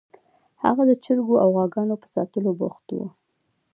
هغه د چرګو او غواګانو په ساتلو بوخت و